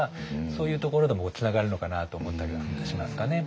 そういうところでもつながるのかなと思ったりはしますかね。